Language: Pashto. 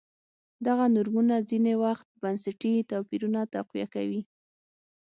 دغه نورمونه ځیني وخت بنسټي توپیرونه تقویه کوي.